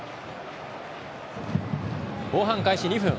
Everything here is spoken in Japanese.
後半開始２分。